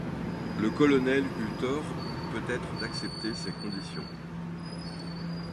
Le colonel eut tort peut-être d'accepter ces conditions.